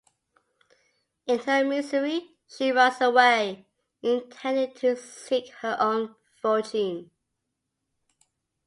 In her misery, she runs away, intending to seek her own fortune.